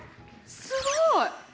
すごい。